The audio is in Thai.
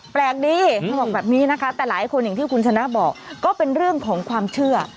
แปลกดีเขาบอกแบบนี้นะคะแต่หลายคนอย่างที่คุณชนะบอกก็เป็นเรื่องของความเชื่อ